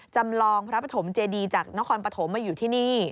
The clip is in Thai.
จำลองพระปฐมเจดีจากนครปฐมมาอยู่ที่นี่